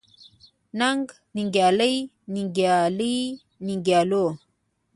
ننګ، ننګيالي ، ننګيالۍ، ننګيالو ،